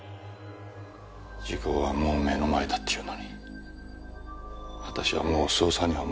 時効はもう目の前だっていうのに私はもう捜査には戻れない。